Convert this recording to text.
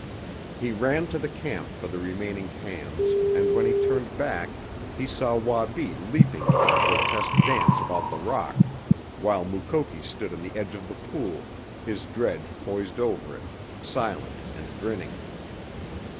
He ran to the camp for the remaining pans and when he turned back he saw Wabi leaping in a grotesque dance about the rock while Mukoki stood on the edge of the pool, his dredge poised over it, silent and grinning.